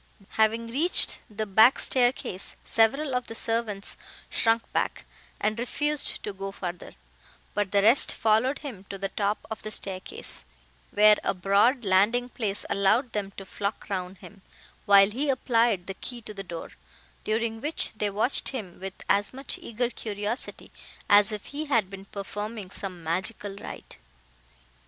Having reached the back staircase, several of the servants shrunk back, and refused to go further, but the rest followed him to the top of the staircase, where a broad landing place allowed them to flock round him, while he applied the key to the door, during which they watched him with as much eager curiosity as if he had been performing some magical rite.